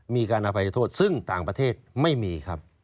มีการอภัยโทษซึ่งต่างประเทศไม่มีครับ